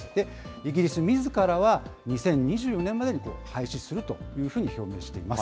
イギリスみずからは、２０２４年までに廃止するというふうに表明しています。